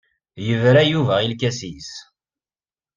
Yebra Yuba i lkas-nnes.